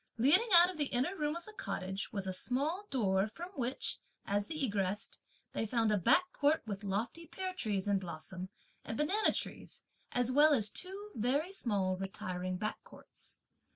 Leading out of the inner room of the cottage was a small door from which, as they egressed, they found a back court with lofty pear trees in blossom and banana trees, as well as two very small retiring back courts.